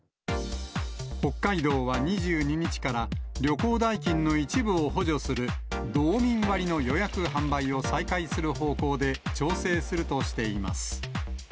北海道は２２日から、旅行代金の一部を補助する、どうみん割の予約・販売を再開する方向で、調整するとしています。